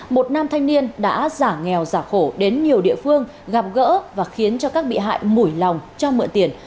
một nam thanh niên đã giả nghèo giả khổ đến nhiều địa phương gặp gỡ và khiến cho các bị hại mùi lòng cho mượn tiền